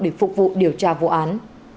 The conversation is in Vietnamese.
để phục vụ điều tra vụ án